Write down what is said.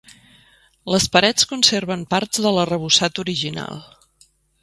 Les parets conserven parts de l'arrebossat original.